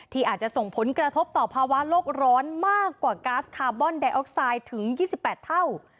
อาจจะส่งผลกระทบต่อภาวะโลกร้อนมากกว่าก๊าซคาร์บอนไดออกไซด์ถึง๒๘เท่า